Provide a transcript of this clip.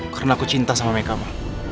karena aku cinta sama mereka ma